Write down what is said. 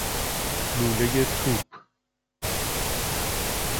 لولۀ توپ